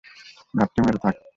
ঘাপটি মেরে থাক।